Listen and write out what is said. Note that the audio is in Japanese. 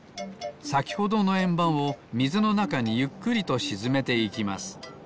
さきほどのえんばんをみずのなかにゆっくりとしずめていきます。